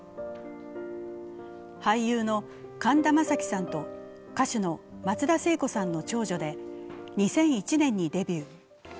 俳優の神田正輝さんと歌手の松田聖子さんの長女で２００１年にデビュー。